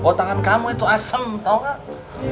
oh tangan kamu itu asem tau gak